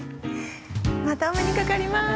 またお目にかかります。